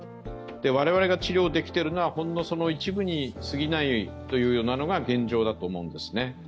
我々が治療できているのはほんの一部に過ぎないというのが現状だと思うんですね。